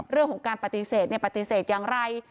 เรื่องของการปฏิเสธปฏิเสธอย่างไร